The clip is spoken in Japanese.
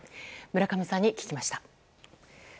村上さんに聞きました。